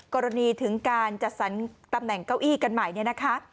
กรณีถึงการจัดสรรตำแหน่งเก้าอี้กันใหม่